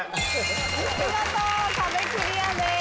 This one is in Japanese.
見事壁クリアです。